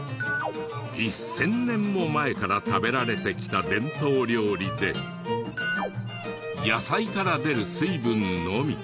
１０００年も前から食べられてきた伝統料理で野菜から出る水分のみ。